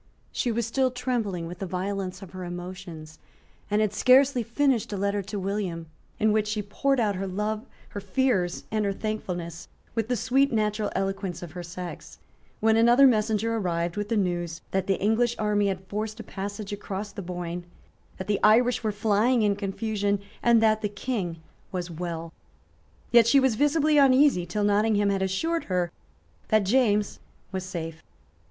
She was still trembling with the violence of her emotions, and had scarcely finished a letter to William in which she poured out her love, her fears and her thankfulness, with the sweet natural eloquence of her sex, when another messenger arrived with the news that the English army had forced a passage across the Boyne, that the Irish were flying in confusion, and that the King was well. Yet she was visibly uneasy till Nottingham had assured her that James was safe.